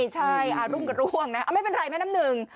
ใช่รุ่งกันร่วงนะไม่เป็นไรแม่น้ำหนึ่ง